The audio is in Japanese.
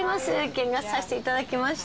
見学させて頂きました。